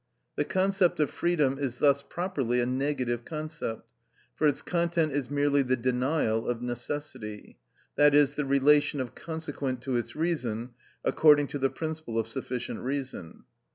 The concept of freedom is thus properly a negative concept, for its content is merely the denial of necessity, i.e., the relation of consequent to its reason, according to the principle of sufficient reason.